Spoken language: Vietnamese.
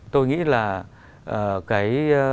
tôi nghĩ là cái